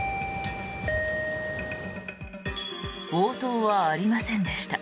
応答はありませんでした。